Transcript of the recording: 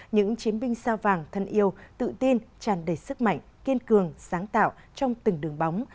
những chiến binh sao vàng thân yêu tự tin tràn đầy sức mạnh kiên cường sáng tạo trong từng đường bóng